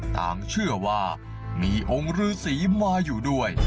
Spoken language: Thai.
ต่างเชื่อว่ามีองค์ฤษีมาอยู่ด้วย